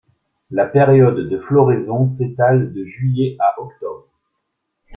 La période de floraison s’étale de juillet à octobre.